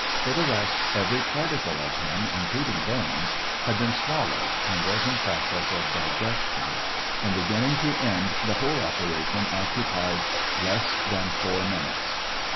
For the rest, every particle of him, including bones, had been swallowed, and was in process of digestion. From beginning to end the whole operation occupied less than four minutes.